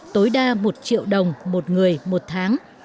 tối đa một triệu đồng một người một tháng